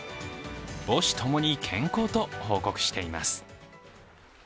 母子共に健康と報告しています。